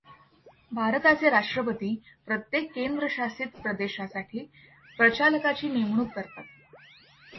भारताचे राष्ट्रपती प्रत्येक केंद्रशासित प्रदेशासाठी प्रचालकाची नेमणूक करतात.